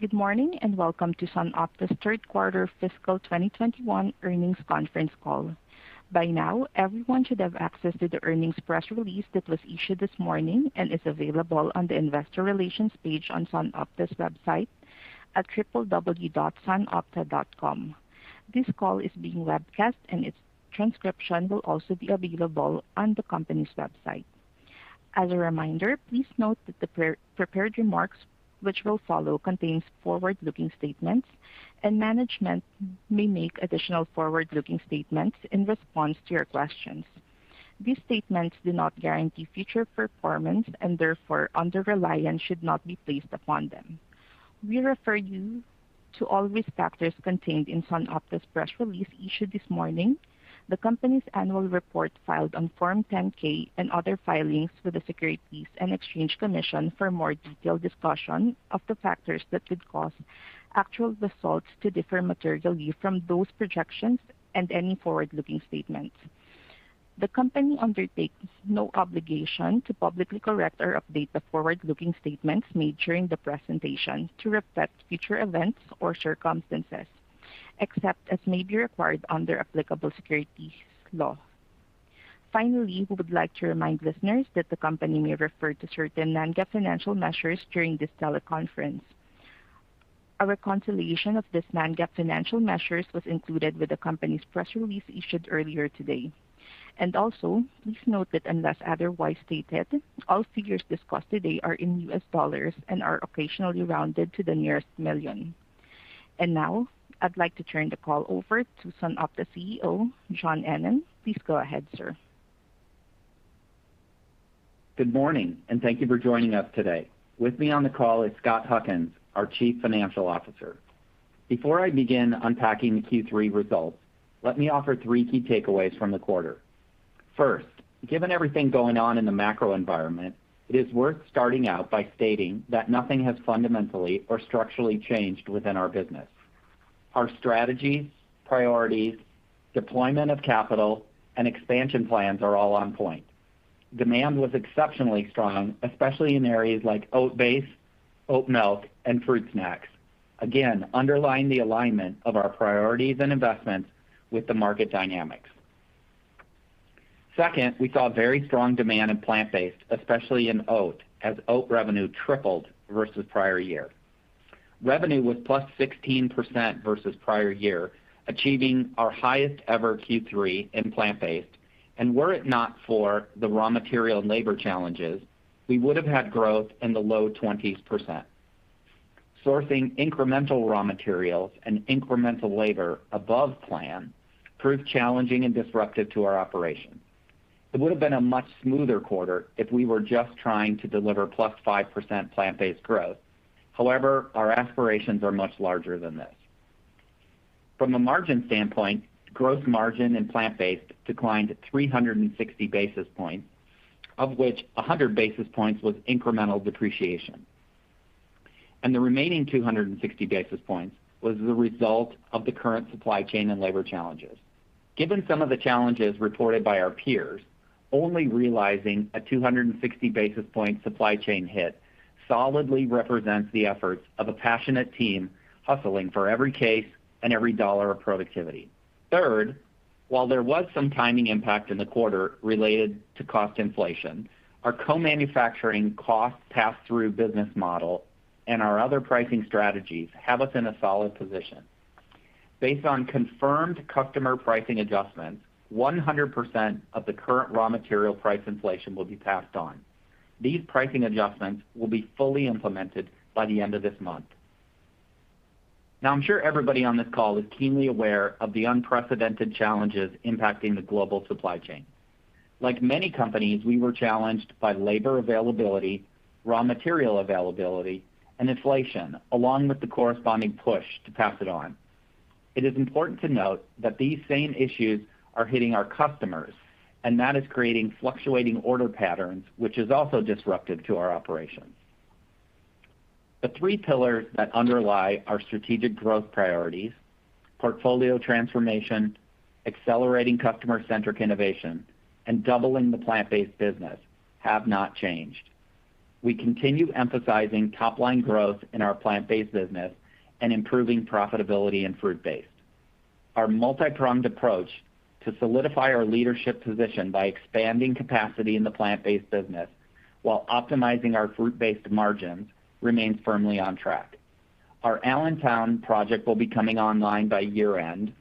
Good morning, and welcome to SunOpta's third quarter fiscal 2021 earnings conference call. By now, everyone should have access to the earnings press release that was issued this morning and is available on the investor relations page on SunOpta's website at www.sunopta.com. This call is being webcast and its transcription will also be available on the company's website. As a reminder, please note that the pre-prepared remarks which will follow contains forward-looking statements, and management may make additional forward-looking statements in response to your questions. These statements do not guarantee future performance and therefore undue reliance should not be placed upon them. We refer you to all risk factors contained in SunOpta's press release issued this morning, the company's annual report filed on Form 10-K and other filings with the Securities and Exchange Commission for more detailed discussion of the factors that could cause actual results to differ materially from those projections and any forward-looking statements. The company undertakes no obligation to publicly correct or update the forward-looking statements made during the presentation to reflect future events or circumstances, except as may be required under applicable securities law. Finally, we would like to remind listeners that the company may refer to certain non-GAAP financial measures during this teleconference. A reconciliation of these non-GAAP financial measures was included with the company's press release issued earlier today. Please note that unless otherwise stated, all figures discussed today are in U.S. dollars and are occasionally rounded to the nearest million. Now I'd like to turn the call over to SunOpta CEO, Joe Ennen. Please go ahead, sir. Good morning, and thank you for joining us today. With me on the call is Scott Huckins, our Chief Financial Officer. Before I begin unpacking the Q3 results, let me offer three key takeaways from the quarter. First, given everything going on in the macro environment, it is worth starting out by stating that nothing has fundamentally or structurally changed within our business. Our strategies, priorities, deployment of capital and expansion plans are all on point. Demand was exceptionally strong, especially in areas like oat-based, oat milk and fruit snacks, again underlying the alignment of our priorities and investments with the market dynamics. Second, we saw very strong demand in plant-based, especially in oat, as oat revenue tripled versus prior year. Revenue was +16% versus prior year, achieving our highest ever Q3 in plant-based. Were it not for the raw material and labor challenges, we would have had growth in the low 20s%. Sourcing incremental raw materials and incremental labor above plan proved challenging and disruptive to our operations. It would have been a much smoother quarter if we were just trying to deliver +5% plant-based growth. However, our aspirations are much larger than this. From a margin standpoint, gross margin in plant-based declined 360 basis points, of which 100 basis points was incremental depreciation. The remaining 260 basis points was the result of the current supply chain and labor challenges. Given some of the challenges reported by our peers, only realizing a 260 basis point supply chain hit solidly represents the efforts of a passionate team hustling for every case and every dollar of productivity. Third, while there was some timing impact in the quarter related to cost inflation, our co-manufacturing cost pass-through business model and our other pricing strategies have us in a solid position. Based on confirmed customer pricing adjustments, 100% of the current raw material price inflation will be passed on. These pricing adjustments will be fully implemented by the end of this month. Now I'm sure everybody on this call is keenly aware of the unprecedented challenges impacting the global supply chain. Like many companies, we were challenged by labor availability, raw material availability and inflation, along with the corresponding push to pass it on. It is important to note that these same issues are hitting our customers, and that is creating fluctuating order patterns, which is also disruptive to our operations. The three pillars that underlie our strategic growth priorities, portfolio transformation, accelerating customer-centric innovation, and doubling the plant-based business have not changed. We continue emphasizing top line growth in our plant-based business and improving profitability in fruit-based. Our multipronged approach to solidify our leadership position by expanding capacity in the plant-based business while optimizing our fruit-based margins remains firmly on track. Our Allentown project will be coming online by year-end.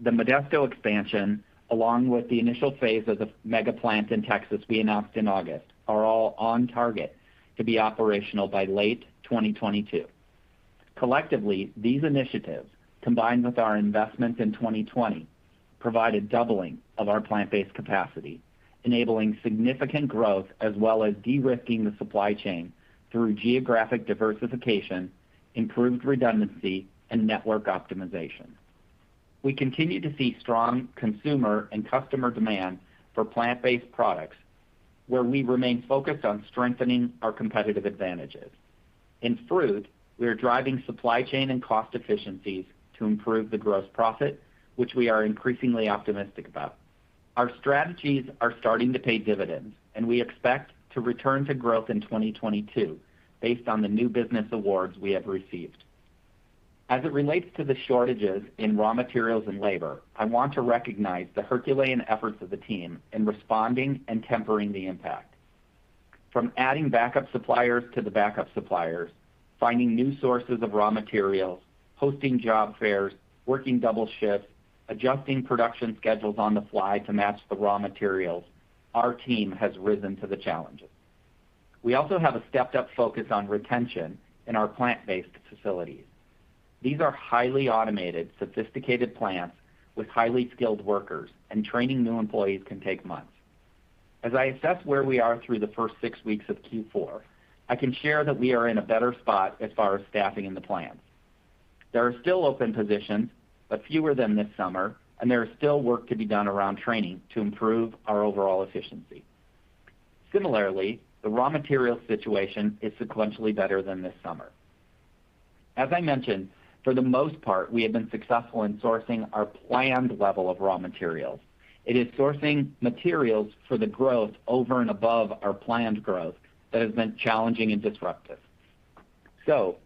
The Modesto expansion, along with the initial phase of the mega plant in Texas we announced in August, are all on target to be operational by late 2022. Collectively, these initiatives, combined with our investments in 2020, provide a doubling of our plant-based capacity, enabling significant growth as well as de-risking the supply chain through geographic diversification, improved redundancy and network optimization. We continue to see strong consumer and customer demand for plant-based products, where we remain focused on strengthening our competitive advantages. In fruit, we are driving supply chain and cost efficiencies to improve the gross profit, which we are increasingly optimistic about. Our strategies are starting to pay dividends, and we expect to return to growth in 2022 based on the new business awards we have received. As it relates to the shortages in raw materials and labor, I want to recognize the Herculean efforts of the team in responding and tempering the impact. From adding backup suppliers, finding new sources of raw materials, hosting job fairs, working double shifts, adjusting production schedules on the fly to match the raw materials, our team has risen to the challenges. We also have a stepped-up focus on retention in our plant-based facilities. These are highly automated, sophisticated plants with highly skilled workers, and training new employees can take months. As I assess where we are through the first six weeks of Q4, I can share that we are in a better spot as far as staffing in the plants. There are still open positions, but fewer than this summer, and there is still work to be done around training to improve our overall efficiency. Similarly, the raw material situation is sequentially better than this summer. As I mentioned, for the most part, we have been successful in sourcing our planned level of raw materials. It is sourcing materials for the growth over and above our planned growth that has been challenging and disruptive.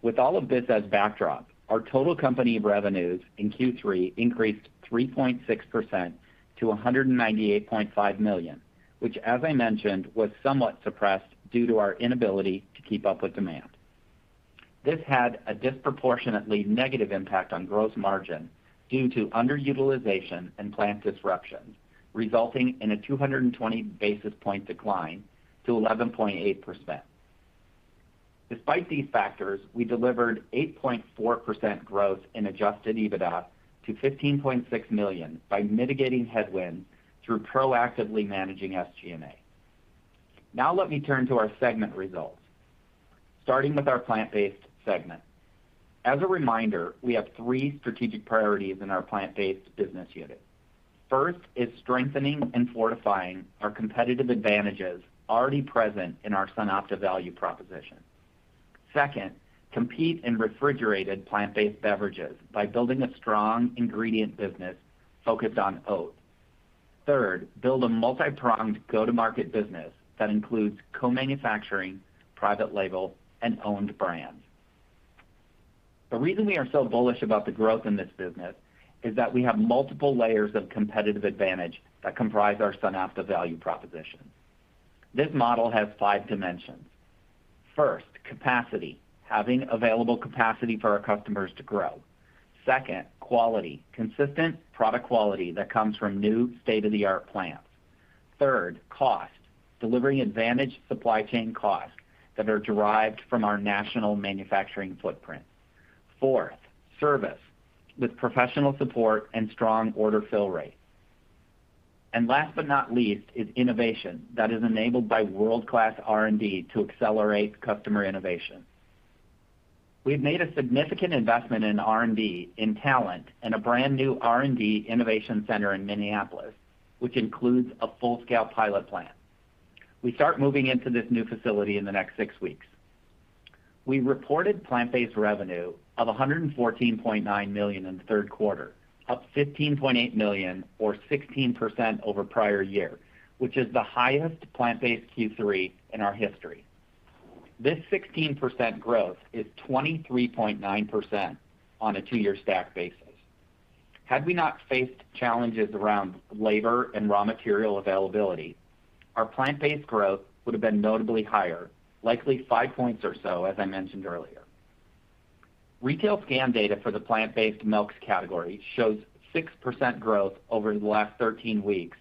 With all of this as backdrop, our total company revenues in Q3 increased 3.6% to $198.5 million, which as I mentioned, was somewhat suppressed due to our inability to keep up with demand. This had a disproportionately negative impact on gross margin due to underutilization and plant disruptions, resulting in a 220 basis point decline to 11.8%. Despite these factors, we delivered 8.4% growth in adjusted EBITDA to $15.6 million by mitigating headwinds through proactively managing SG&A. Now let me turn to our segment results, starting with our plant-based segment. As a reminder, we have three strategic priorities in our plant-based business unit. First is strengthening and fortifying our competitive advantages already present in our SunOpta value proposition. Second, compete in refrigerated plant-based beverages by building a strong ingredient business focused on oats. Third, build a multi-pronged go-to-market business that includes co-manufacturing, private label, and owned brands. The reason we are so bullish about the growth in this business is that we have multiple layers of competitive advantage that comprise our SunOpta value proposition. This model has five dimensions. First, capacity, having available capacity for our customers to grow. Second, quality, consistent product quality that comes from new state-of-the-art plants. Third, cost, delivering advantage supply chain costs that are derived from our national manufacturing footprint. Fourth, service with professional support and strong order fill rates. Last but not least is innovation that is enabled by world-class R&D to accelerate customer innovation. We've made a significant investment in R&D in talent and a brand new R&D innovation center in Minneapolis, which includes a full-scale pilot plant. We start moving into this new facility in the next six weeks. We reported plant-based revenue of $114.9 million in the third quarter, up $15.8 million or 16% over prior year, which is the highest plant-based Q3 in our history. This 16% growth is 23.9% on a two-year stack basis. Had we not faced challenges around labor and raw material availability, our plant-based growth would have been notably higher, likely five points or so, as I mentioned earlier. Retail scan data for the plant-based milks category shows 6% growth over the last 13 weeks.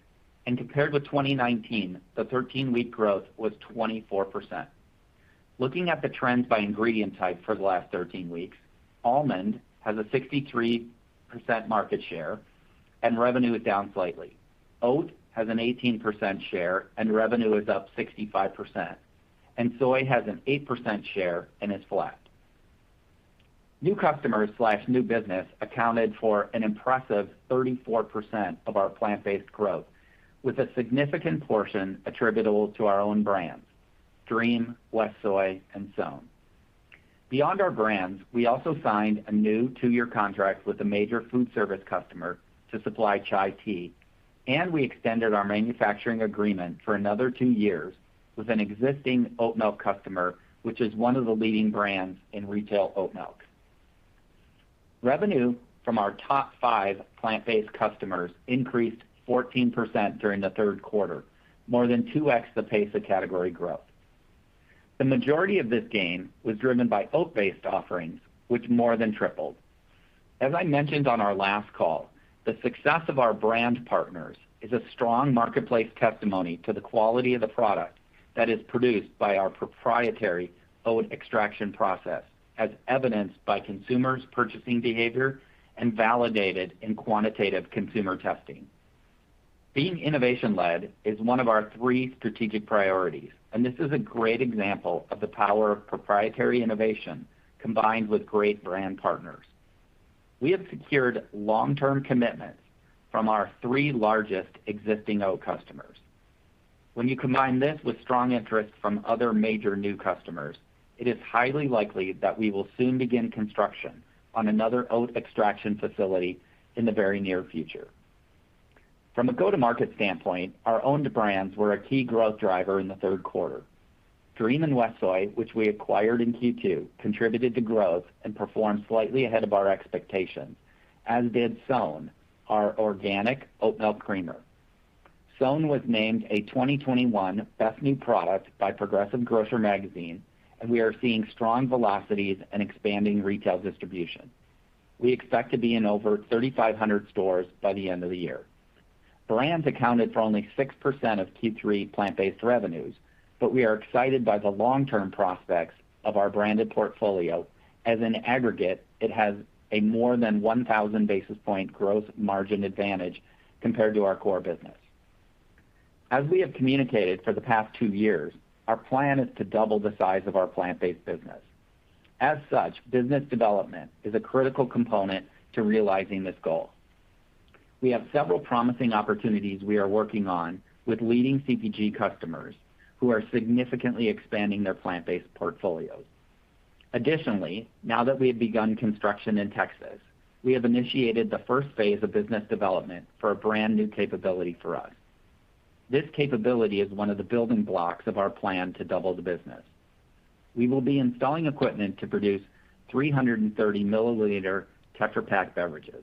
Compared with 2019, the 13-week growth was 24%. Looking at the trends by ingredient type for the last 13 weeks, almond has a 63% market share and revenue is down slightly. Oat has an 18% share and revenue is up 65%, and soy has an 8% share and is flat. New customers/new business accounted for an impressive 34% of our plant-based growth, with a significant portion attributable to our own brands, Dream, WestSoy, and SOWN. Beyond our brands, we also signed a new two-year contract with a major food service customer to supply chai tea, and we extended our manufacturing agreement for another two years with an existing oat milk customer, which is one of the leading brands in retail oat milk. Revenue from our top five plant-based customers increased 14% during the third quarter, more than two times the pace of category growth. The majority of this gain was driven by oat-based offerings, which more than tripled. As I mentioned on our last call, the success of our brand partners is a strong marketplace testimony to the quality of the product that is produced by our proprietary oat extraction process, as evidenced by consumers' purchasing behavior and validated in quantitative consumer testing. Being innovation-led is one of our three strategic priorities, and this is a great example of the power of proprietary innovation combined with great brand partners. We have secured long-term commitments from our three largest existing oat customers. When you combine this with strong interest from other major new customers, it is highly likely that we will soon begin construction on another oat extraction facility in the very near future. From a go-to-market standpoint, our owned brands were a key growth driver in the third quarter. Dream and WestSoy, which we acquired in Q2, contributed to growth and performed slightly ahead of our expectations, as did SOWN, our organic oat milk creamer. SOWN was named a 2021 Best New Product by Progressive Grocer magazine, and we are seeing strong velocities and expanding retail distribution. We expect to be in over 3,500 stores by the end of the year. Brands accounted for only 6% of Q3 plant-based revenues, but we are excited by the long-term prospects of our branded portfolio. As an aggregate, it has a more than 1,000 basis points growth margin advantage compared to our core business. As we have communicated for the past two years, our plan is to double the size of our plant-based business. As such, business development is a critical component to realizing this goal. We have several promising opportunities we are working on with leading CPG customers who are significantly expanding their plant-based portfolios. Additionally, now that we have begun construction in Texas, we have initiated the first phase of business development for a brand-new capability for us. This capability is one of the building blocks of our plan to double the business. We will be installing equipment to produce 330 mL Tetra Pak beverages.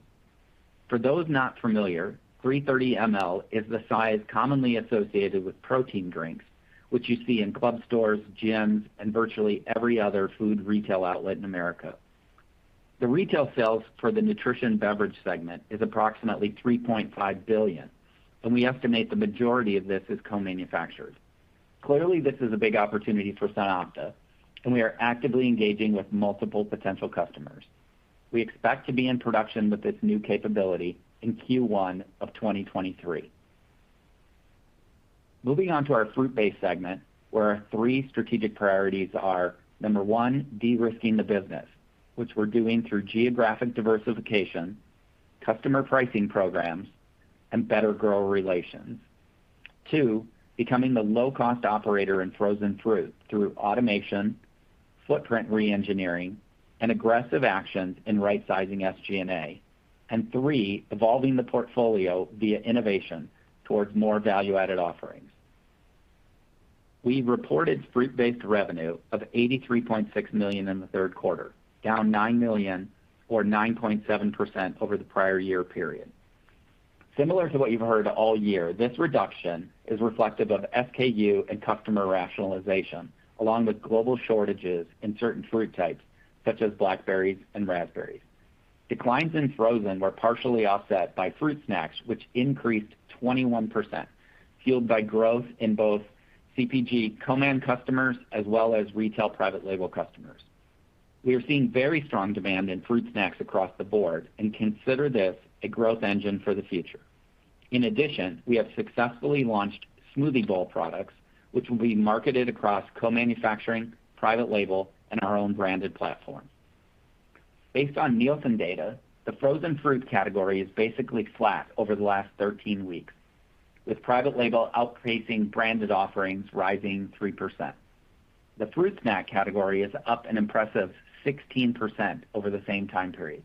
For those not familiar, 330 mL is the size commonly associated with protein drinks, which you see in club stores, gyms, and virtually every other food retail outlet in America. The retail sales for the nutrition beverage segment is approximately $3.5 billion, and we estimate the majority of this is co-manufactured. Clearly, this is a big opportunity for SunOpta, and we are actively engaging with multiple potential customers. We expect to be in production with this new capability in Q1 of 2023. Moving on to our fruit-based segment, where our three strategic priorities are, number one, de-risking the business, which we're doing through geographic diversification, customer pricing programs, and better grower relations. Two, becoming the low-cost operator in frozen fruit through automation, footprint reengineering, and aggressive actions in rightsizing SG&A. And three, evolving the portfolio via innovation towards more value-added offerings. We reported fruit-based revenue of $83.6 million in the third quarter, down $9 million or 9.7% over the prior year period. Similar to what you've heard all year, this reduction is reflective of SKU and customer rationalization, along with global shortages in certain fruit types such as blackberries and raspberries. Declines in frozen were partially offset by fruit snacks, which increased 21%, fueled by growth in both CPG co-man customers as well as retail private label customers. We are seeing very strong demand in fruit snacks across the board and consider this a growth engine for the future. In addition, we have successfully launched smoothie bowl products, which will be marketed across co-manufacturing, private label, and our own branded platform. Based on Nielsen data, the frozen fruit category is basically flat over the last 13 weeks, with private label outpacing branded offerings rising 3%. The fruit snack category is up an impressive 16% over the same time period.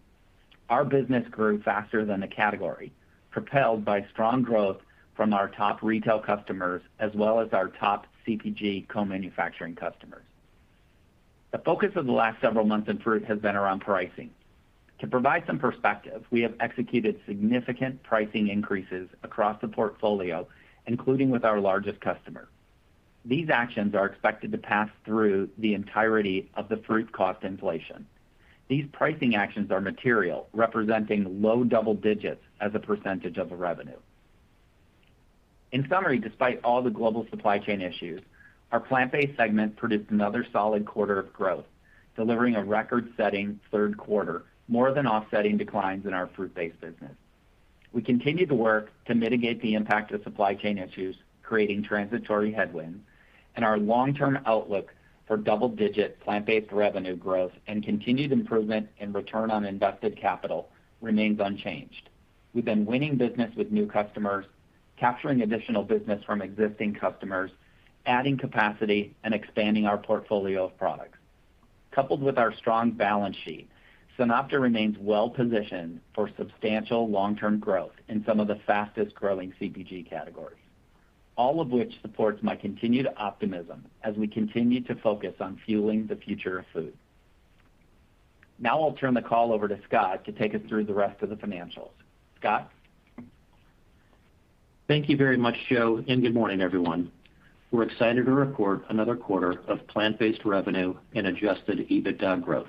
Our business grew faster than the category, propelled by strong growth from our top retail customers as well as our top CPG co-manufacturing customers. The focus of the last several months in fruit has been around pricing. To provide some perspective, we have executed significant pricing increases across the portfolio, including with our largest customer. These actions are expected to pass through the entirety of the fruit cost inflation. These pricing actions are material, representing low double-digits as a percentage of the revenue. In summary, despite all the global supply chain issues, our plant-based segment produced another solid quarter of growth, delivering a record-setting third quarter, more than offsetting declines in our fruit-based business. We continue to work to mitigate the impact of supply chain issues, creating transitory headwinds, and our long-term outlook for double-digit plant-based revenue growth and continued improvement in return on invested capital remains unchanged. We've been winning business with new customers, capturing additional business from existing customers, adding capacity, and expanding our portfolio of products. Coupled with our strong balance sheet, SunOpta remains well positioned for substantial long-term growth in some of the fastest-growing CPG categories, all of which supports my continued optimism as we continue to focus on fueling the future of food. Now I'll turn the call over to Scott to take us through the rest of the financials. Scott? Thank you very much, Joe, and good morning, everyone. We're excited to report another quarter of plant-based revenue and adjusted EBITDA growth.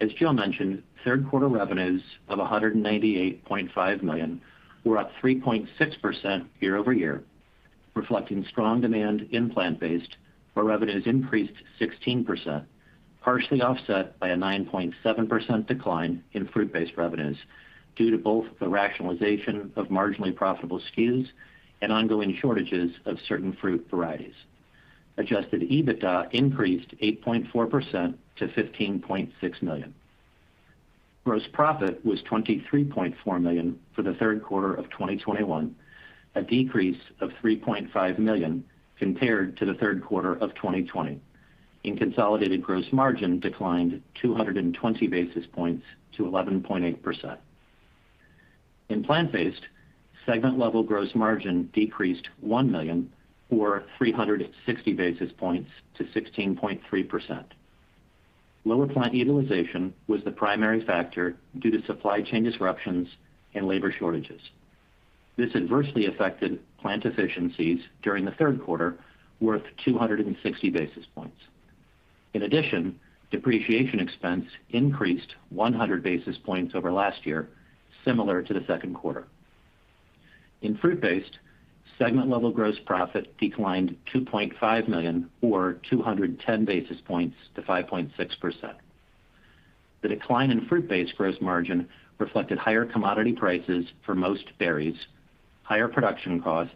As Joe mentioned, third quarter revenues of $198.5 million were up 3.6% year-over-year, reflecting strong demand in plant-based, where revenues increased 16%, partially offset by a 9.7% decline in fruit-based revenues due to both the rationalization of marginally profitable SKUs and ongoing shortages of certain fruit varieties. Adjusted EBITDA increased 8.4% to $15.6 million. Gross profit was $23.4 million for the third quarter of 2021, a decrease of $3.5 million compared to the third quarter of 2020, and consolidated gross margin declined 220 basis points to 11.8%. In Plant-Based, segment-level gross margin decreased $1 million or 360 basis points to 16.3%. Lower plant utilization was the primary factor due to supply chain disruptions and labor shortages. This adversely affected plant efficiencies during the third quarter worth 260 basis points. In addition, depreciation expense increased 100 basis points over last year, similar to the second quarter. In Fruit-Based, segment-level gross profit declined $2.5 million or 210 basis points to 5.6%. The decline in Fruit-Based gross margin reflected higher commodity prices for most berries, higher production costs,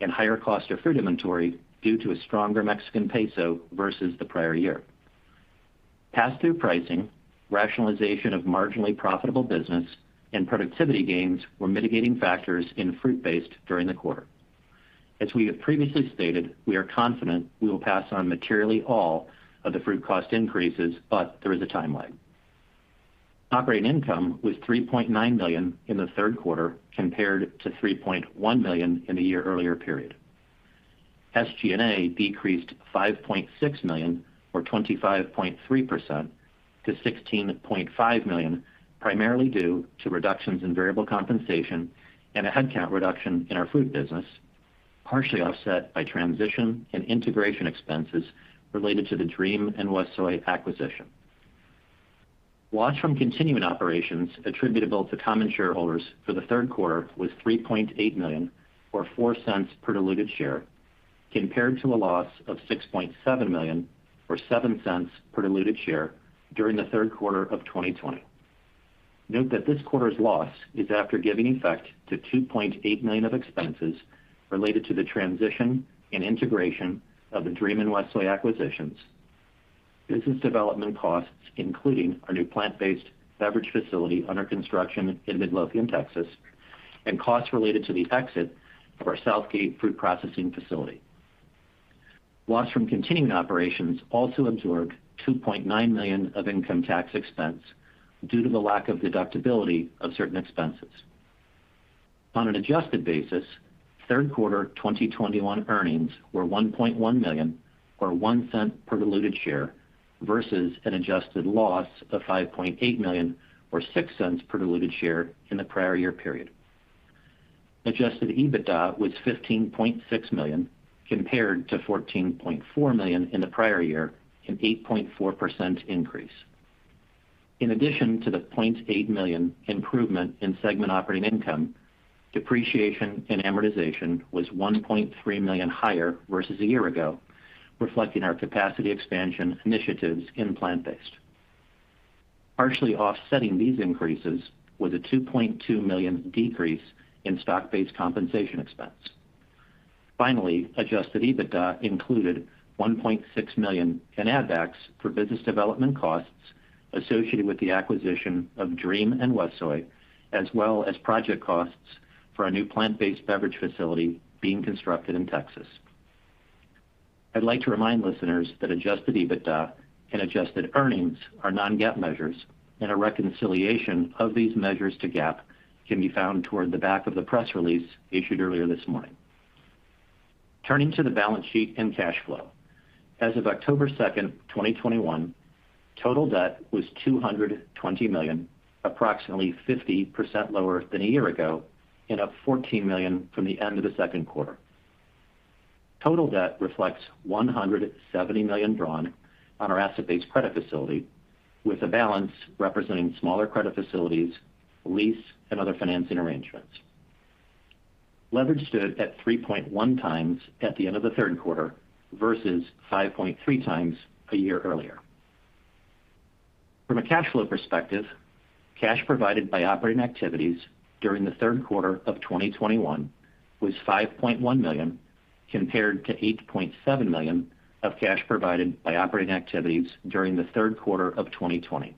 and higher cost of fruit inventory due to a stronger Mexican peso versus the prior year. Pass-through pricing, rationalization of marginally profitable business, and productivity gains were mitigating factors in Fruit-Based during the quarter. As we have previously stated, we are confident we will pass on materially all of the fruit cost increases, but there is a timeline. Operating income was $3.9 million in the third quarter compared to $3.1 million in the year earlier period. SG&A decreased $5.6 million or 25.3% to $16.5 million, primarily due to reductions in variable compensation and a headcount reduction in our food business, partially offset by transition and integration expenses related to the Dream and WestSoy acquisition. Loss from continuing operations attributable to common shareholders for the third quarter was $3.8 million or $0.04 per diluted share, compared to a loss of $6.7 million or $0.07 per diluted share during the third quarter of 2020. Note that this quarter's loss is after giving effect to $2.8 million of expenses related to the transition and integration of the Dream and WestSoy acquisitions, business development costs, including our new plant-based beverage facility under construction in Midlothian, Texas, and costs related to the exit of our Southgate food processing facility. Loss from continuing operations also absorbed $2.9 million of income tax expense due to the lack of deductibility of certain expenses. On an adjusted basis, third quarter 2021 earnings were $1.1 million or $0.01 per diluted share versus an adjusted loss of $5.8 million or $0.06 per diluted share in the prior year period. Adjusted EBITDA was $15.6 million compared to $14.4 million in the prior year, an 8.4% increase. In addition to the $0.8 million improvement in segment operating income, depreciation and amortization was $1.3 million higher versus a year ago, reflecting our capacity expansion initiatives in plant-based. Partially offsetting these increases was a $2.2 million decrease in stock-based compensation expense. Finally, adjusted EBITDA included $1.6 million in add backs for business development costs associated with the acquisition of Dream and WestSoy, as well as project costs for our new plant-based beverage facility being constructed in Texas. I'd like to remind listeners that adjusted EBITDA and adjusted earnings are non-GAAP measures and a reconciliation of these measures to GAAP can be found toward the back of the press release issued earlier this morning. Turning to the balance sheet and cash flow. As of October 2, 2021, total debt was $220 million, approximately 50% lower than a year ago, and up $14 million from the end of the second quarter. Total debt reflects $170 million drawn on our asset-based credit facility with a balance representing smaller credit facilities, lease, and other financing arrangements. Leverage stood at 3.1 times at the end of the third quarter versus 5.3 times a year earlier. From a cash flow perspective, cash provided by operating activities during the third quarter of 2021 was $5.1 million, compared to $8.7 million of cash provided by operating activities during the third quarter of 2020.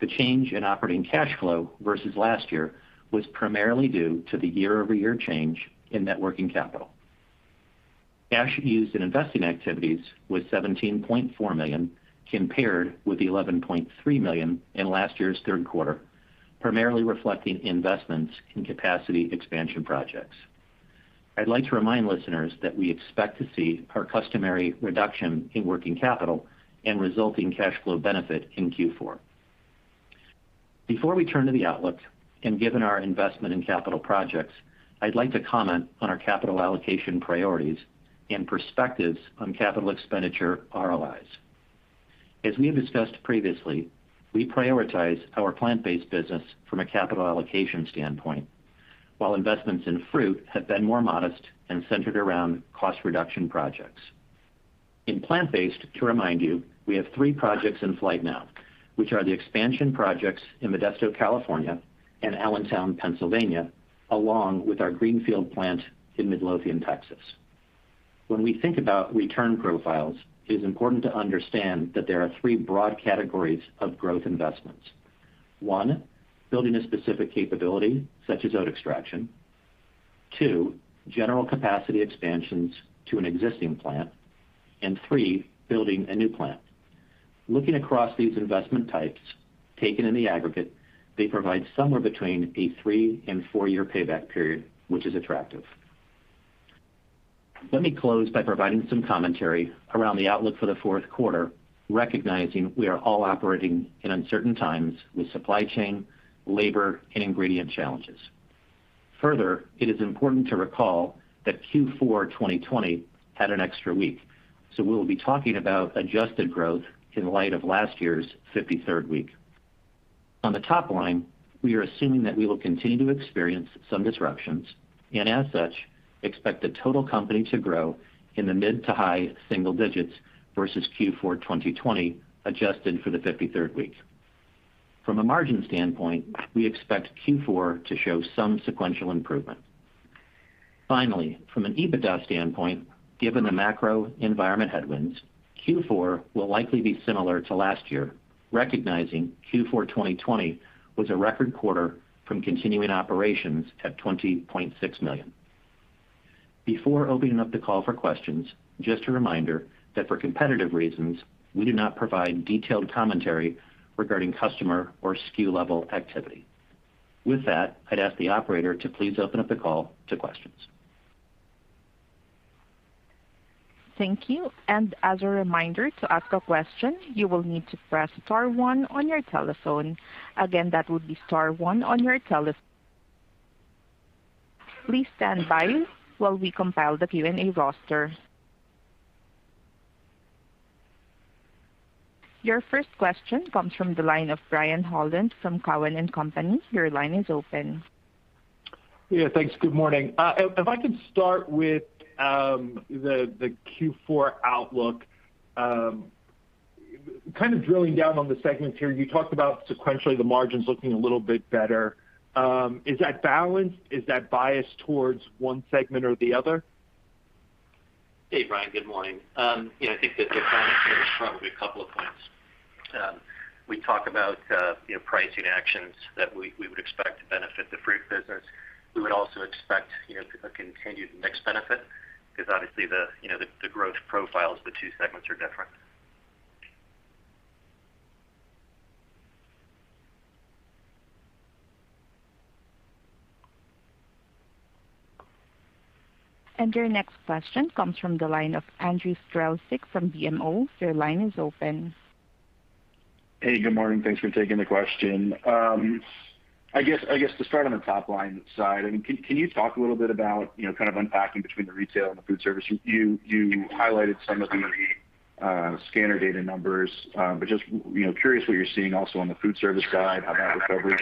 The change in operating cash flow versus last year was primarily due to the year-over-year change in net working capital. Cash used in investing activities was $17.4 million, compared with $11.3 million in last year's third quarter, primarily reflecting investments in capacity expansion projects. I'd like to remind listeners that we expect to see our customary reduction in working capital and resulting cash flow benefit in Q4. Before we turn to the outlook and given our investment in capital projects, I'd like to comment on our capital allocation priorities and perspectives on capital expenditure ROIs. As we have discussed previously, we prioritize our plant-based business from a capital allocation standpoint, while investments in fruit have been more modest and centered around cost reduction projects. In plant-based, to remind you, we have three projects in flight now, which are the expansion projects in Modesto, California and Allentown, Pennsylvania, along with our greenfield plant in Midlothian, Texas. When we think about return profiles, it is important to understand that there are 3 broad categories of growth investments. One, building a specific capability such as oat extraction. Two, general capacity expansions to an existing plant, and three, building a new plant. Looking across these investment types taken in the aggregate, they provide somewhere between a three- and four-year payback period, which is attractive. Let me close by providing some commentary around the outlook for the fourth quarter, recognizing we are all operating in uncertain times with supply chain, labor, and ingredient challenges. Further, it is important to recall that Q4 2020 had an extra week, so we will be talking about adjusted growth in light of last year's 53rd week. On the top line, we are assuming that we will continue to experience some disruptions and as such, expect the total company to grow in the mid- to high-single digits versus Q4 2020, adjusted for the 53rd week. From a margin standpoint, we expect Q4 to show some sequential improvement. Finally, from an EBITDA standpoint, given the macro environment headwinds, Q4 will likely be similar to last year, recognizing Q4 2020 was a record quarter from continuing operations at $20.6 million. Before opening up the call for questions, just a reminder that for competitive reasons, we do not provide detailed commentary regarding customer or SKU level activity. With that, I'd ask the operator to please open up the call to questions. Thank you. As a reminder, to ask a question, you will need to press star one on your telephone. Again, that would be star one on your telephone. Please stand by while we compile the Q&A roster. Your first question comes from the line of Brian Holland from Cowen and Company. Your line is open. Yeah, thanks. Good morning. If I could start with the Q4 outlook, kind of drilling down on the segments here. You talked about sequentially the margins looking a little bit better. Is that balanced? Is that biased towards one segment or the other? Hey, Brian, good morning. Yeah, I think that the balance probably a couple of points. We talk about, you know, pricing actions that we would expect to benefit the fruit business. We would also expect, you know, a continued mix benefit because obviously the, you know, the growth profiles of the two segments are different. Your next question comes from the line of Andrew Strelzik from BMO. Your line is open. Hey, good morning. Thanks for taking the question. I guess to start on the top line side, I mean, can you talk a little bit about, you know, kind of unpacking between the retail and the food service? You highlighted some of the scanner data numbers, but just, you know, curious what you're seeing also on the food service side, how that recovery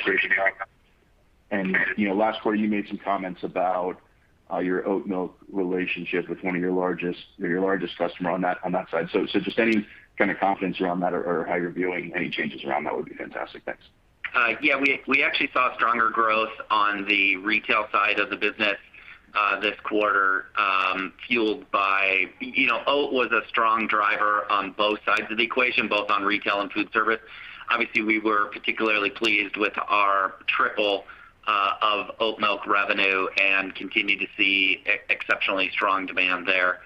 and, you know, last quarter you made some comments about your oat milk relationship with one of your largest customer on that side. Just any kind of confidence around that or how you're viewing any changes around that would be fantastic. Thanks. Yeah, we actually saw stronger growth on the retail side of the business this quarter, fueled by, you know, oat was a strong driver on both sides of the equation, both on retail and food service. Obviously, we were particularly pleased with our tripling of oat milk revenue and continue to see exceptionally strong demand there.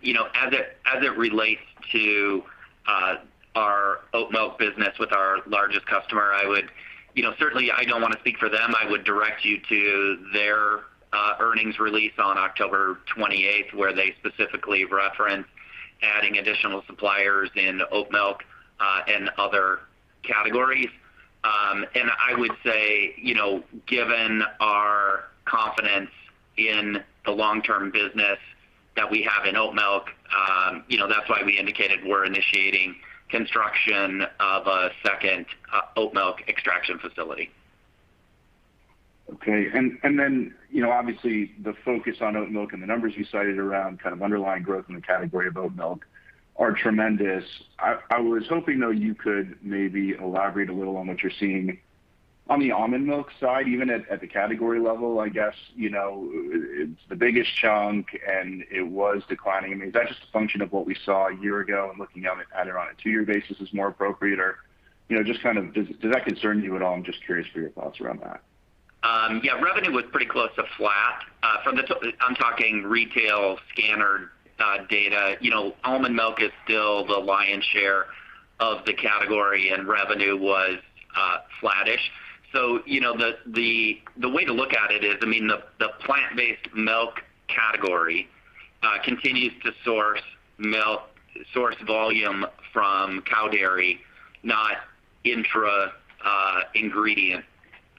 You know, as it relates to our oat milk business with our largest customer, I would certainly not want to speak for them. I would direct you to their earnings release on October twenty-eighth, where they specifically reference adding additional suppliers in oat milk and other categories. I would say, you know, given our confidence in the long-term business that we have in oat milk, you know, that's why we indicated we're initiating construction of a second oat milk extraction facility. Okay. You know, obviously the focus on oat milk and the numbers you cited around kind of underlying growth in the category of oat milk are tremendous. I was hoping, though, you could maybe elaborate a little on what you're seeing on the almond milk side, even at the category level, I guess. You know, it's the biggest chunk, and it was declining. I mean, is that just a function of what we saw a year ago and looking at it either on a two-year basis is more appropriate? You know, just kind of does that concern you at all? I'm just curious for your thoughts around that. Yeah, revenue was pretty close to flat. I'm talking retail scanner data. You know, almond milk is still the lion's share of the category, and revenue was flattish. You know, the way to look at it is, I mean, the plant-based milk category continues to source volume from cow dairy, not ingredient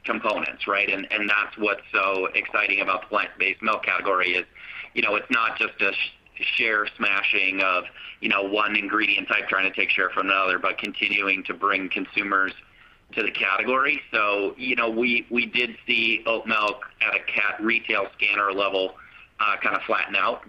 components, right? That's what's so exciting about the plant-based milk category is, you know, it's not just a share smashing of one ingredient type trying to take share from another, but continuing to bring consumers to the category. You know, we did see oat milk at a retail scanner level kind of flatten out.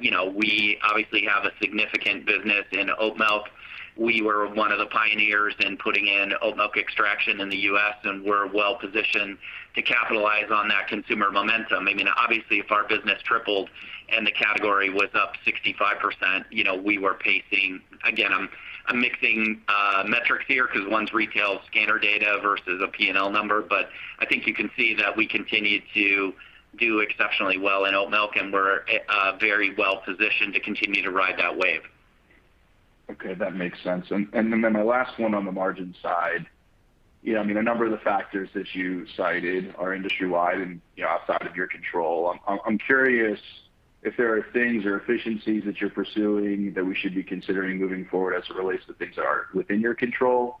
you know, we obviously have a significant business in oat milk. We were one of the pioneers in putting in oat milk extraction in the U.S., and we're well positioned to capitalize on that consumer momentum. I mean, obviously, if our business tripled and the category was up 65%, you know, we were pacing. Again, I'm mixing metrics here because one's retail scanner data versus a P&L number. I think you can see that we continued to do exceptionally well in oat milk, and we're very well positioned to continue to ride that wave. Okay, that makes sense. My last one on the margin side. You know, I mean, a number of the factors that you cited are industry-wide and, you know, outside of your control. I'm curious if there are things or efficiencies that you're pursuing that we should be considering moving forward as it relates to things that are within your control.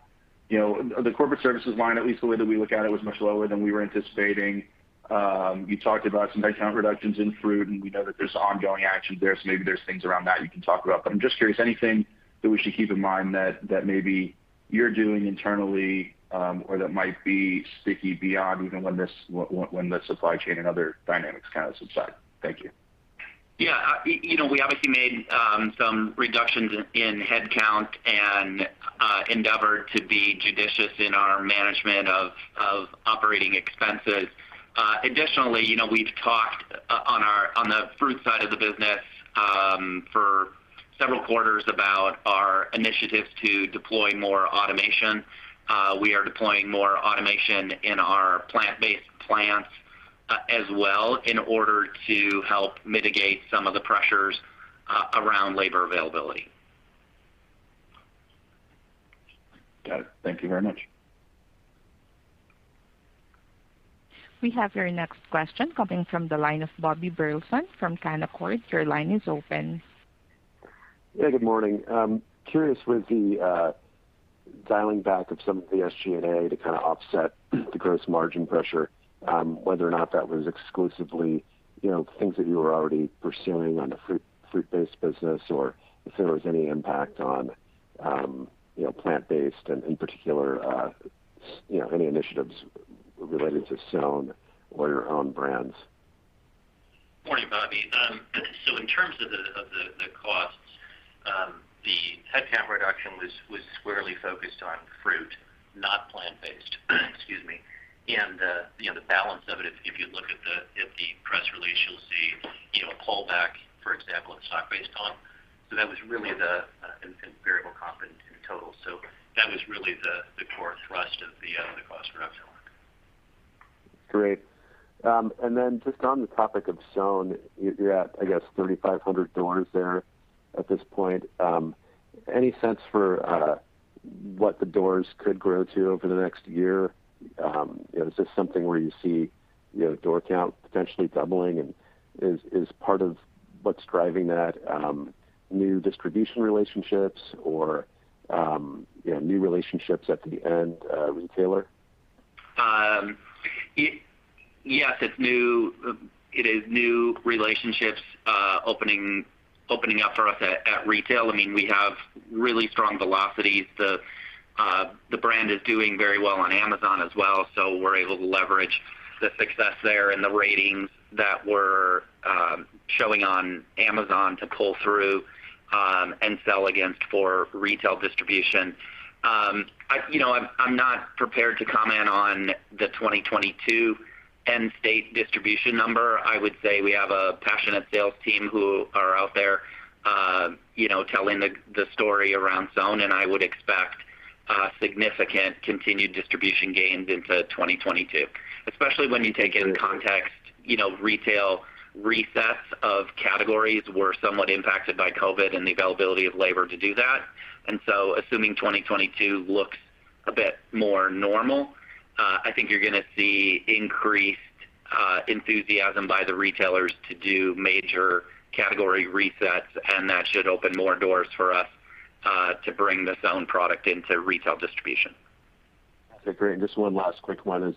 You know, the corporate services line, at least the way that we look at it, was much lower than we were anticipating. You talked about some headcount reductions in fruit, and we know that there's ongoing action there, so maybe there's things around that you can talk about. I'm just curious, anything that we should keep in mind that maybe you're doing internally, or that might be sticky beyond even when the supply chain and other dynamics kind of subside? Thank you. Yeah. You know, we obviously made some reductions in headcount and endeavored to be judicious in our management of operating expenses. Additionally, you know, we've talked on the fruit side of the business for several quarters about our initiatives to deploy more automation. We are deploying more automation in our plant-based plants as well in order to help mitigate some of the pressures around labor availability. Got it. Thank you very much. We have your next question coming from the line of Bobby Burleson from Canaccord. Your line is open. Good morning. I'm curious with the dialing back of some of the SG&A to kind of offset the gross margin pressure, whether or not that was exclusively, you know, things that you were already pursuing on the fruit-based business or if there was any impact on, you know, plant-based and in particular, you know, any initiatives related to SOWN or your own brands. Morning, Bobby. In terms of the costs, the headcount reduction was squarely focused on fruit, not plant-based. You know, the balance of it, if you look at the press release, you'll see, you know, a pullback, for example, in stock-based comp. That was really in variable comp in total. That was really the core thrust of the cost reduction. Great. Just on the topic of SOWN, you're at, I guess, 3,500 doors there at this point. Any sense for what the doors could grow to over the next year? Is this something where you see door count potentially doubling? Is part of what's driving that new distribution relationships or new relationships at the end retailer? Yes, it is new relationships opening up for us at retail. I mean, we have really strong velocities. The brand is doing very well on Amazon as well, so we're able to leverage the success there and the ratings that we're showing on Amazon to pull through and sell against for retail distribution. You know, I'm not prepared to comment on the 2022 end state distribution number. I would say we have a passionate sales team who are out there, you know, telling the story around SOWN, and I would expect significant continued distribution gains into 2022, especially when you take into context, you know, retail resets of categories were somewhat impacted by COVID and the availability of labor to do that. Assuming 2022 looks a bit more normal, I think you're gonna see increased enthusiasm by the retailers to do major category resets, and that should open more doors for us to bring the Stone product into retail distribution. Okay, great. Just one last quick one is,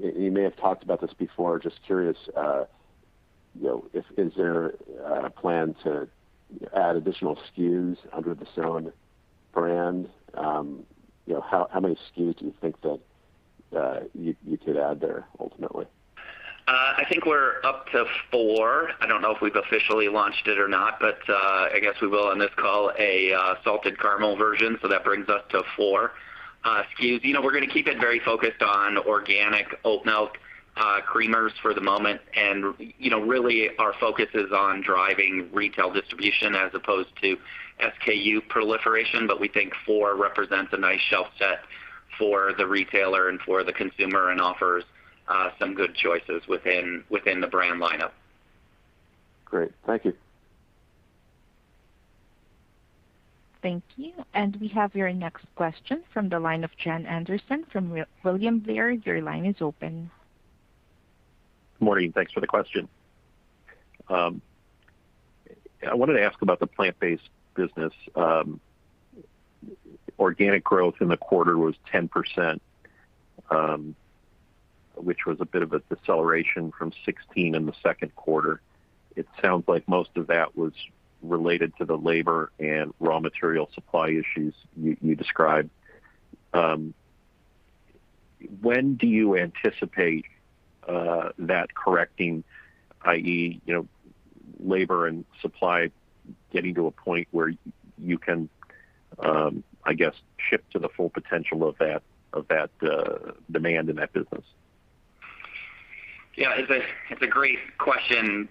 you may have talked about this before. Just curious, you know, is there a plan to add additional SKUs under the Stone brand? You know, how many SKUs do you think that you could add there ultimately? I think we're up to four. I don't know if we've officially launched it or not, but I guess we will on this call, salted caramel version. That brings us to four SKUs. You know, we're gonna keep it very focused on organic oat milk creamers for the moment. You know, really our focus is on driving retail distribution as opposed to SKU proliferation. We think four represents a nice shelf set for the retailer and for the consumer and offers some good choices within the brand lineup. Great. Thank you. Thank you. We have your next question from the line of Jon Andersen from William Blair. Your line is open. Morning. Thanks for the question. I wanted to ask about the plant-based business. Organic growth in the quarter was 10%, which was a bit of a deceleration from 16% in the second quarter. It sounds like most of that was related to the labor and raw material supply issues you described. When do you anticipate that correcting, i.e., you know, labor and supply getting to a point where you can, I guess, ship to the full potential of that demand in that business? Yeah. It's a great question,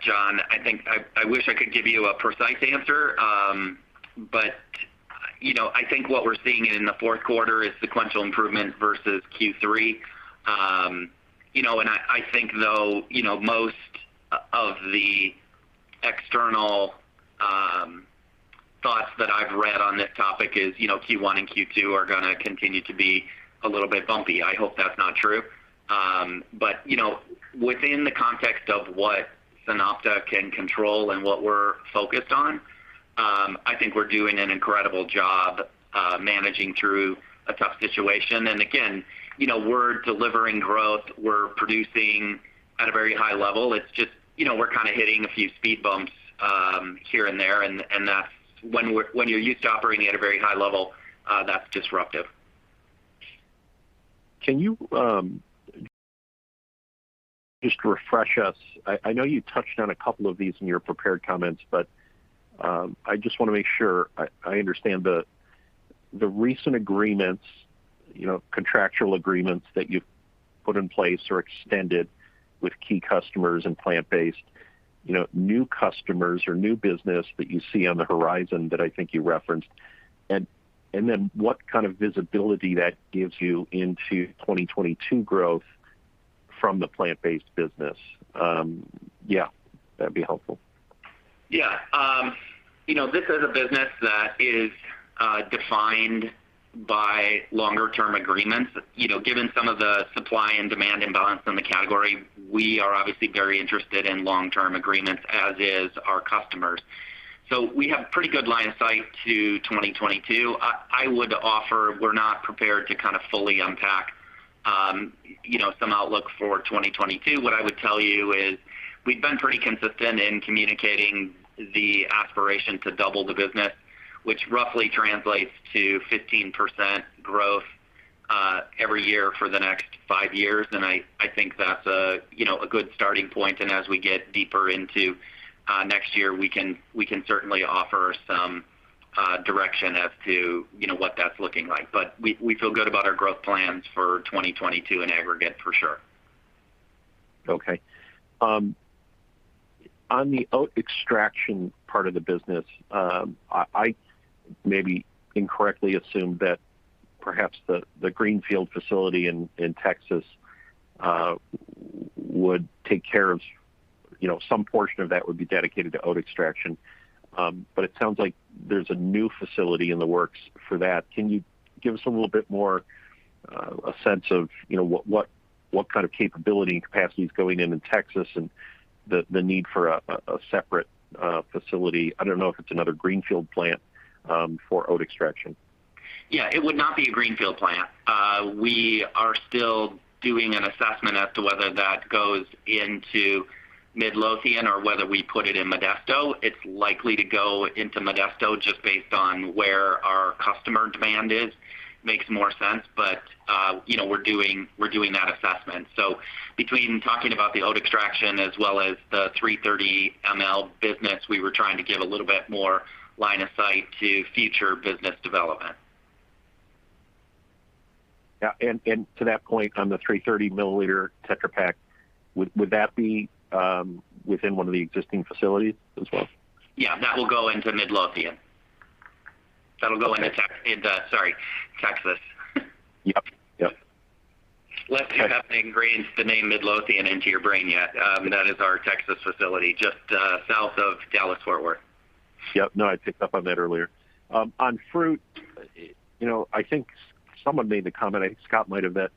Jon. I think I wish I could give you a precise answer. You know, I think what we're seeing in the fourth quarter is sequential improvement versus Q3. You know, I think, though, most of the external thoughts that I've read on this topic is, you know, Q1 and Q2 are gonna continue to be a little bit bumpy. I hope that's not true. You know, within the context of what SunOpta can control and what we're focused on, I think we're doing an incredible job managing through a tough situation. You know, we're delivering growth, we're producing at a very high level. It's just, you know, we're kind of hitting a few speed bumps here and there. That's when you're used to operating at a very high level, that's disruptive. Can you just to refresh us, I know you touched on a couple of these in your prepared comments, but I just wanna make sure I understand the recent agreements, you know, contractual agreements that you've put in place or extended with key customers and plant-based, you know, new customers or new business that you see on the horizon that I think you referenced. Then what kind of visibility that gives you into 2022 growth from the plant-based business. Yeah, that'd be helpful. Yeah. You know, this is a business that is defined by long-term agreements. You know, given some of the supply and demand imbalance in the category, we are obviously very interested in long-term agreements, as is our customers. We have pretty good line of sight to 2022. I would offer we're not prepared to kind of fully unpack you know, some outlook for 2022. What I would tell you is we've been pretty consistent in communicating the aspiration to double the business, which roughly translates to 15% growth every year for the next five years. I think that's a you know, a good starting point. As we get deeper into next year, we can certainly offer some direction as to you know, what that's looking like. We feel good about our growth plans for 2022 in aggregate for sure. Okay. On the oat extraction part of the business, I maybe incorrectly assumed that perhaps the greenfield facility in Texas would take care of you know, some portion of that would be dedicated to oat extraction. But it sounds like there's a new facility in the works for that. Can you give us a little bit more a sense of you know, what kind of capability and capacity is going in Texas and the need for a separate facility? I don't know if it's another greenfield plant for oat extraction. It would not be a greenfield plant. We are still doing an assessment as to whether that goes into Midlothian or whether we put it in Modesto. It's likely to go into Modesto just based on where our customer demand is. Makes more sense, but, you know, we're doing that assessment. Between talking about the oat extraction as well as the 330 mL business, we were trying to give a little bit more line of sight to future business development. To that point, on the 330 mL Tetra Pak, would that be within one of the existing facilities as well? Yeah. That will go into Midlothian. That'll go into Texas. Yep. Yep. Lest you have ingrained the name Midlothian into your brain yet, that is our Texas facility just south of Dallas-Fort Worth. Yep. No, I picked up on that earlier. On fruit, you know, I think someone made the comment, I think Scott might have been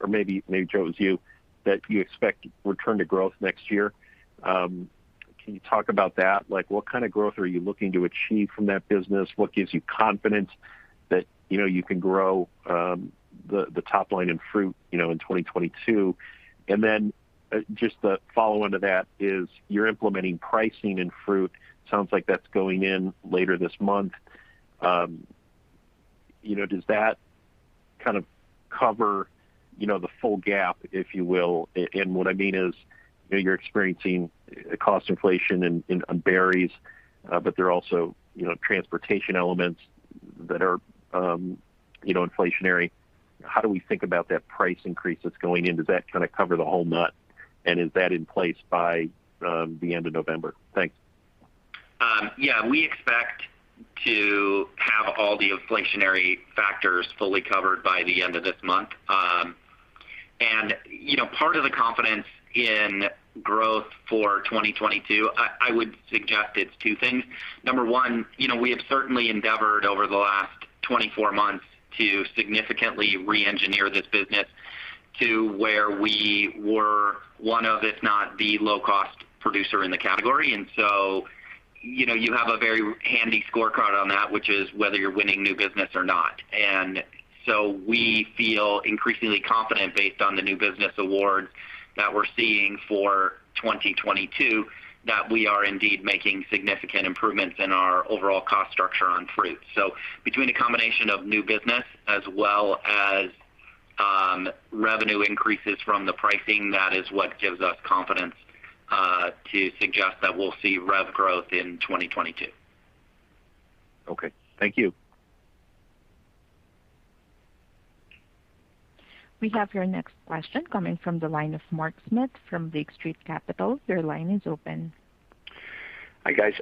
or maybe Joe, it was you, that you expect return to growth next year. Can you talk about that? Like, what kind of growth are you looking to achieve from that business? What gives you confidence that, you know, you can grow the top line in fruit, you know, in 2022? Then, just the follow-on to that is you're implementing pricing in fruit. Sounds like that's going in later this month. You know, does that kind of cover the full gap, if you will? What I mean is, you know, you're experiencing cost inflation on berries, but there are also, you know, transportation elements that are inflationary. How do we think about that price increase that's going in? Does that kind of cover the whole nut? Is that in place by the end of November? Thanks. Yeah, we expect to have all the inflationary factors fully covered by the end of this month. You know, part of the confidence in growth for 2022, I would suggest it's two things. Number one, you know, we have certainly endeavored over the last 24 months to significantly reengineer this business to where we were one of, if not the low cost producer in the category. You know, you have a very handy scorecard on that, which is whether you're winning new business or not. We feel increasingly confident based on the new business awards that we're seeing for 2022 that we are indeed making significant improvements in our overall cost structure on fruit. Between the combination of new business as well as revenue increases from the pricing, that is what gives us confidence to suggest that we'll see rev growth in 2022. Okay, thank you. We have your next question coming from the line of Mark Smith from Lake Street Capital Markets. Your line is open. Hi, guys.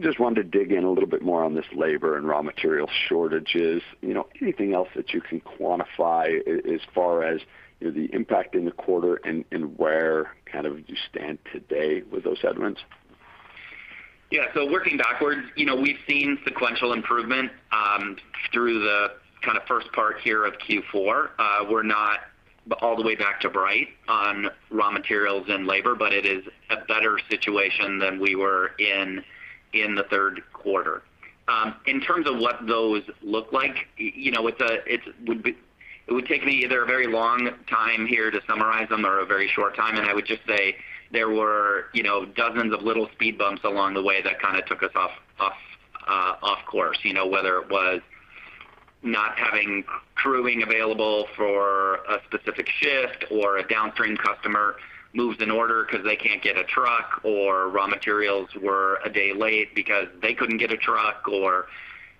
Just wanted to dig in a little bit more on this labor and raw material shortages. You know, anything else that you can quantify as far as, you know, the impact in the quarter and where kind of you stand today with those headwinds? Yeah. Working backwards, you know, we've seen sequential improvement through the kind of first part here of Q4. We're not all the way back to bright on raw materials and labor, but it is a better situation than we were in the third quarter. In terms of what those look like, you know, it would take me either a very long time here to summarize them or a very short time, and I would just say there were, you know, dozens of little speed bumps along the way that kind of took us off course. You know, whether it was not having crewing available for a specific shift, or a downstream customer moves an order 'cause they can't get a truck, or raw materials were a day late because they couldn't get a truck or,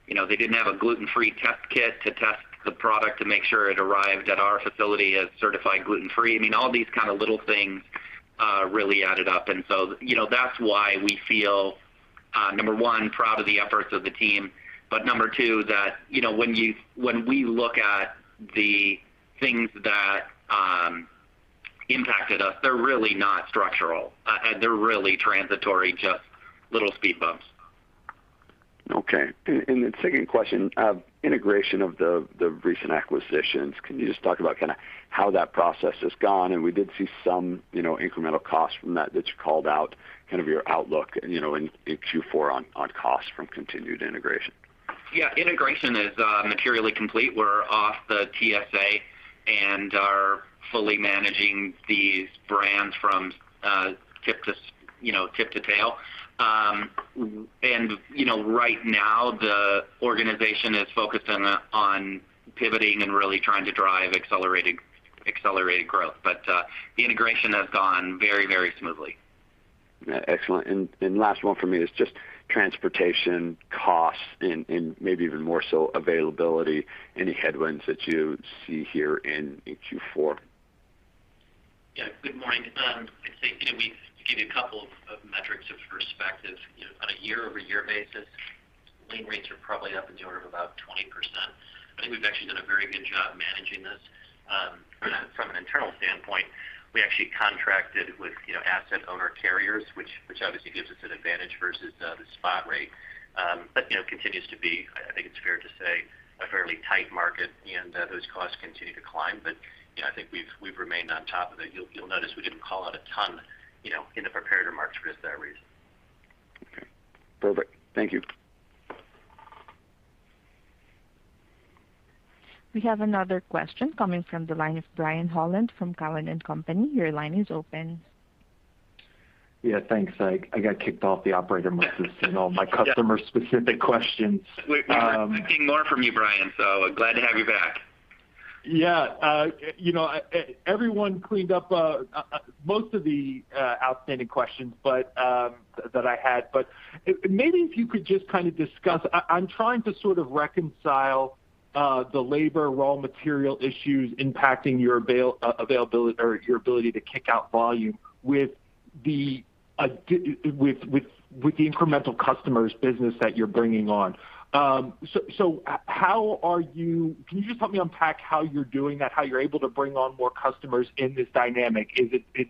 you know, they didn't have a gluten-free test kit to test the product to make sure it arrived at our facility as certified gluten-free. I mean, all these kind of little things really added up. You know, that's why we feel, number one, proud of the efforts of the team. Number two, that, you know, when we look at the things that impacted us, they're really not structural. They're really transitory, just little speed bumps. Okay. The second question, integration of the recent acquisitions. Can you just talk about kinda how that process has gone? We did see some, you know, incremental costs from that you called out kind of your outlook and, you know, in Q4 on costs from continued integration. Yeah. Integration is materially complete. We're off the TSA and are fully managing these brands from, you know, tip to tail. And, you know, right now, the organization is focused on pivoting and really trying to drive accelerated growth. The integration has gone very, very smoothly. Yeah. Excellent. Last one for me is just transportation costs and maybe even more so availability, any headwinds that you see here in Q4? Yeah. Good morning. I'd say, you know, we gave you a couple of metrics for perspective. You know, on a year-over-year basis, lane rates are probably up in the order of about 20%. I think we've actually done a very good job managing this. From an internal standpoint, we actually contracted with, you know, asset owner carriers, which obviously gives us an advantage versus the spot rate. You know, it continues to be, I think it's fair to say, a fairly tight market, and those costs continue to climb. You know, I think we've remained on top of it. You'll notice we didn't call out a ton, you know, in the prepared remarks for just that reason. Okay. Perfect. Thank you. We have another question coming from the line of Brian Holland from Cowen and Company. Your line is open. Yeah, thanks. I got kicked off the operator and lost all my customer specific questions. We were expecting more from you, Brian, so glad to have you back. Yeah. You know, everyone cleaned up most of the outstanding questions, but that I had. Maybe if you could just kind of discuss. I'm trying to sort of reconcile the labor, raw material issues impacting your availability or your ability to kick out volume with the incremental customers business that you're bringing on. So how can you just help me unpack how you're doing that, how you're able to bring on more customers in this dynamic?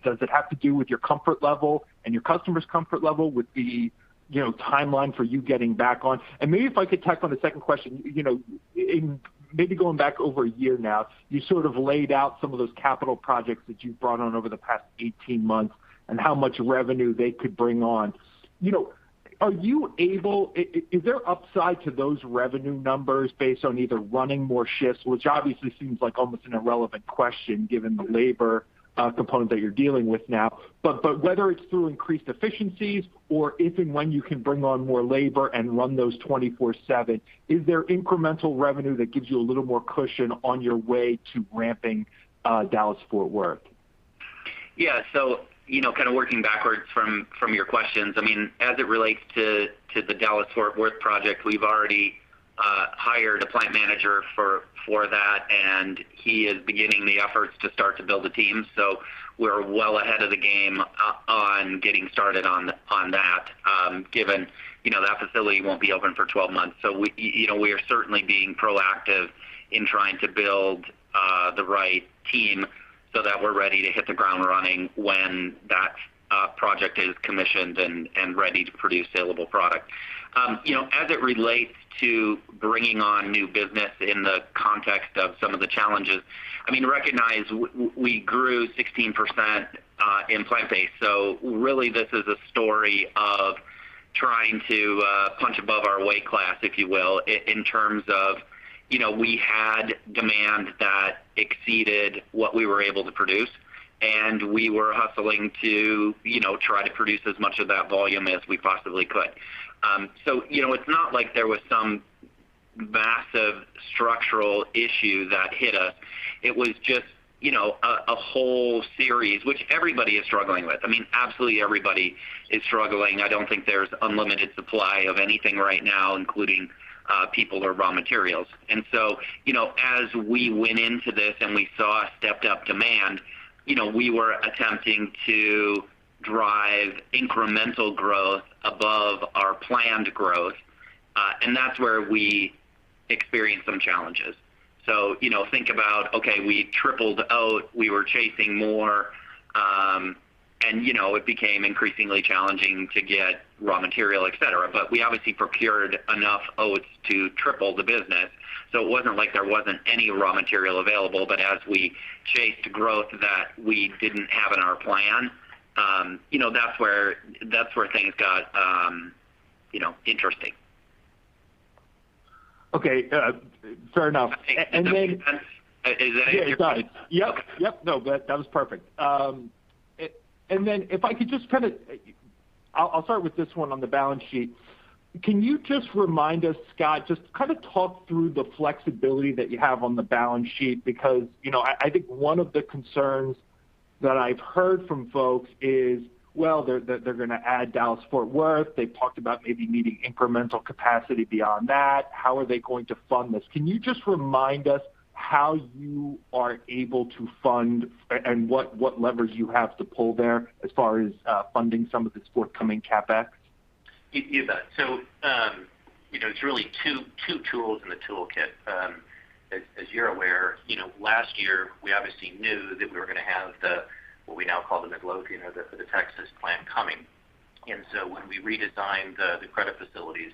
Does it have to do with your comfort level and your customers' comfort level with the, you know, timeline for you getting back on? Maybe if I could tack on a second question. You know, in maybe going back over a year now, you sort of laid out some of those capital projects that you've brought on over the past 18 months and how much revenue they could bring on. You know, are you able is there upside to those revenue numbers based on either running more shifts, which obviously seems like almost an irrelevant question given the labor component that you're dealing with now, whether it's through increased efficiencies or if and when you can bring on more labor and run those 24/7, is there incremental revenue that gives you a little more cushion on your way to ramping, Dallas-Fort Worth? Yeah, you know, kind of working backwards from your questions. I mean, as it relates to the Dallas-Fort Worth project, we've already hired a plant manager for that, and he is beginning the efforts to start to build a team. We're well ahead of the game on getting started on that, given, you know, that facility won't be open for 12 months. We, you know, we are certainly being proactive in trying to build the right team so that we're ready to hit the ground running when that project is commissioned and ready to produce salable product. You know, as it relates to bringing on new business in the context of some of the challenges, I mean, recognize we grew 16% in plant-based. Really this is a story of trying to punch above our weight class, if you will, in terms of, you know, we had demand that exceeded what we were able to produce, and we were hustling to, you know, try to produce as much of that volume as we possibly could. You know, it's not like there was some massive structural issue that hit us. It was just, you know, a whole series which everybody is struggling with. I mean, absolutely everybody is struggling. I don't think there's unlimited supply of anything right now, including, people or raw materials. You know, as we went into this and we saw a stepped up demand, you know, we were attempting to drive incremental growth above our planned growth, and that's where we experienced some challenges. You know, think about, okay, we tripled oats, we were chasing more, and, you know, it became increasingly challenging to get raw material, et cetera. We obviously procured enough oats to triple the business, so it wasn't like there wasn't any raw material available. As we chased growth that we didn't have in our plan, you know, that's where things got, you know, interesting. Okay. Fair enough. Does that make sense? Yeah, it does. Yep, yep. No, but that was perfect. Then if I could just kind of, I'll start with this one on the balance sheet. Can you just remind us, Scott, just kind of talk through the flexibility that you have on the balance sheet because, you know, I think one of the concerns that I've heard from folks is, well, they're gonna add Dallas-Fort Worth. They've talked about maybe needing incremental capacity beyond that. How are they going to fund this? Can you just remind us how you are able to fund and what levers you have to pull there as far as funding some of this forthcoming CapEx? You bet. You know, it's really two tools in the toolkit. As you're aware, you know, last year we obviously knew that we were gonna have the what we now call the Midlothian or the Texas plant coming. When we redesigned the credit facilities,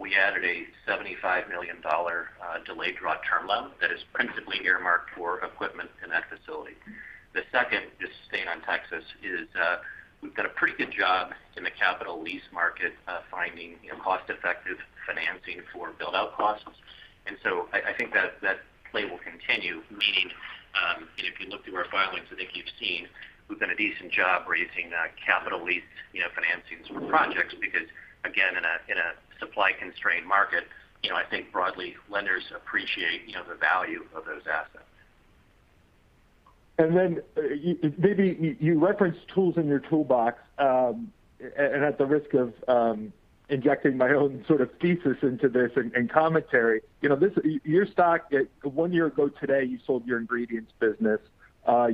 we added a $75 million delayed draw term loan that is principally earmarked for equipment in that facility. The second, just staying on Texas, is we've done a pretty good job in the capital lease market finding, you know, cost-effective financing for build-out costs. I think that play will continue, meaning, you know, if you look through our filings, I think you've seen we've done a decent job raising capital lease, you know, financings for projects because again, in a supply constrained market, you know, I think broadly lenders appreciate, you know, the value of those assets. Maybe you referenced tools in your toolbox. At the risk of injecting my own sort of thesis into this and commentary, you know, your stock one year ago today, you sold your ingredients business.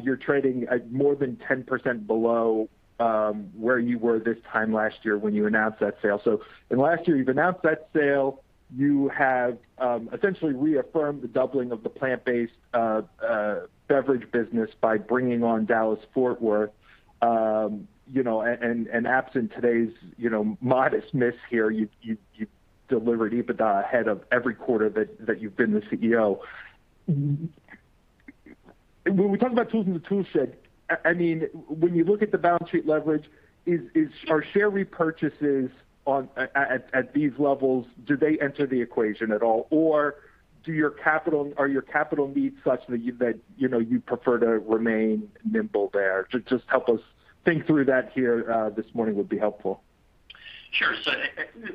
You're trading at more than 10% below where you were this time last year when you announced that sale. In the last year, you've announced that sale. You have essentially reaffirmed the doubling of the plant-based beverage business by bringing on Dallas-Fort Worth. You know, absent today's you know, modest miss here, you've delivered EBITDA ahead of every quarter that you've been the CEO. When we talk about tools in the tool shed, I mean, when you look at the balance sheet leverage, are share repurchases at these levels do they enter the equation at all, or are your capital needs such that, you know, you'd prefer to remain nimble there? Just help us think through that here, this morning would be helpful. Sure.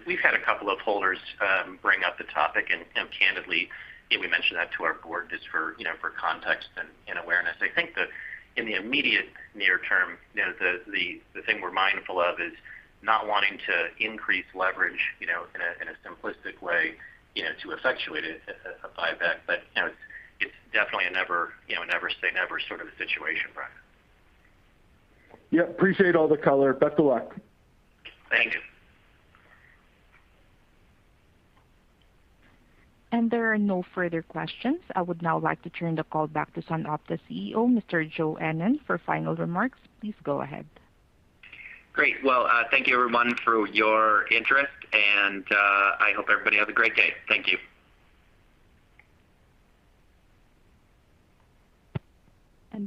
We've had a couple of holders bring up the topic and candidly, we mention that to our board just for, you know, for context and awareness. I think that in the immediate near term, you know, the thing we're mindful of is not wanting to increase leverage, you know, in a simplistic way to effectuate a buyback. It's definitely a never say never sort of a situation, Brian. Yeah. Appreciate all the color. Best of luck. Thank you. There are no further questions. I would now like to turn the call back to SunOpta CEO, Mr. Joe Ennen for final remarks. Please go ahead. Great. Well, thank you everyone for your interest, and I hope everybody has a great day. Thank you.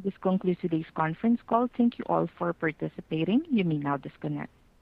This concludes today's conference call. Thank you all for participating. You may now disconnect.